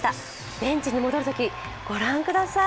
ベンチに戻るとき、御覧ください。